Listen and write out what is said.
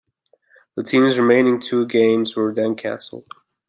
The team's remaining two games were then cancelled.